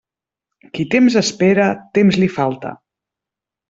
Qui temps espera, temps li falta.